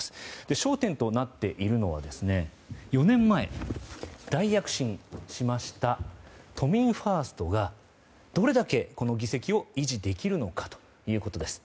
焦点となっているのは４年前、大躍進しました都民ファーストがどれだけこの議席を維持できるのかということです。